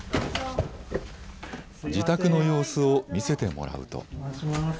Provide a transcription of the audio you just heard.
自宅の様子を見せてもらうと。